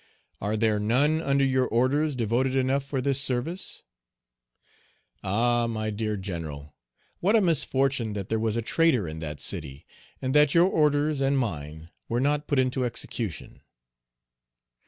Are there none under your orders devoted enough for this service? Ah! my dear General, what a misfortune that there was a traitor in that city, and that your orders and mine were not put into execution.